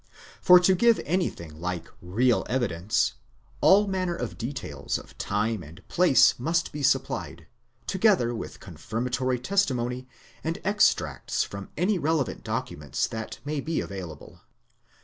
For to give any thing like real evidence, all manner of details of time and place must be supplied, together with confirmatory testimony and extracts from any relevant documents that may be available.